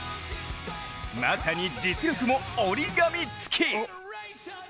まさに実力も折り紙付き。